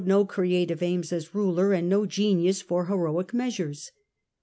no creative aims as ruler, and no genius for heroic measures.